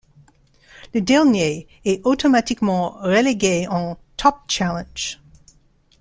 Le dernier est automatiquement relégué en Top Challenge.